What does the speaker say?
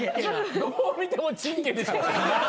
どう見てもちんけでしょ。